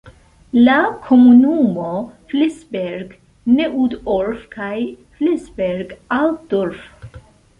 La komunumo Felsberg-Neudorf kaj Felsberg-Altdorf.